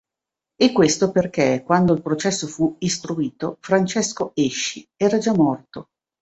E questo perché, quando il processo fu istruito, Francesco Esci era già morto.